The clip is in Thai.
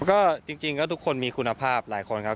ก็จริงก็ทุกคนมีคุณภาพหลายคนครับ